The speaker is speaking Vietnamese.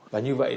và như vậy